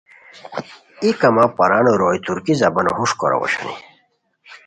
ای کما پرانو روئے ترکی زبان ہوݰکوراؤ اوشونی